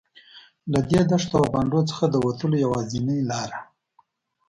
له دې دښتو او بانډو څخه د وتلو یوازینۍ لاره.